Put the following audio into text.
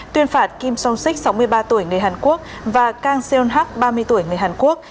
tuyên phạt kim song sik sáu mươi ba tuổi người hàn quốc và kang seon hak ba mươi tuổi người hàn quốc